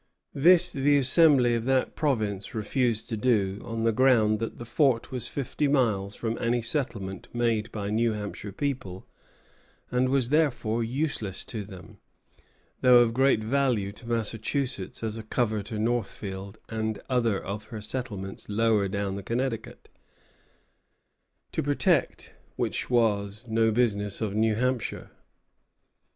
This the Assembly of that province refused to do, on the ground that the fort was fifty miles from any settlement made by New Hampshire people, and was therefore useless to them, though of great value to Massachusetts as a cover to Northfield and other of her settlements lower down the Connecticut, to protect which was no business of New Hampshire.